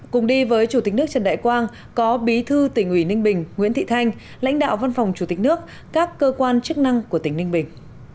cùng đi với chủ tịch nước trần đại quang có bí thư tỉnh ủy ninh bình nguyễn thị thanh lãnh đạo văn phòng chủ tịch nước các cơ quan chức năng của tỉnh ninh bình